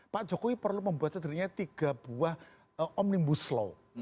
pak jokowi perlu membuat setidaknya tiga buah omnibus law